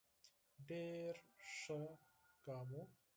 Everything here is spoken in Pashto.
ډېر ښه اقدام وو.